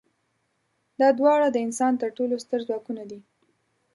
دا دواړه د انسان تر ټولو ستر ځواکونه دي.